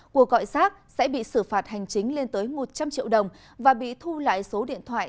cuộc gọi rác sẽ bị xử phạt hành chính lên tới một trăm linh triệu đồng và bị thu lại số điện thoại